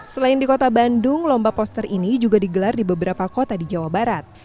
selain di kota bandung lomba poster ini juga digelar di beberapa kota di jawa barat